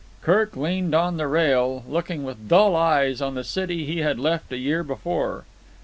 Kirk leaned on the rail, looking with dull eyes on the city he had left a year before.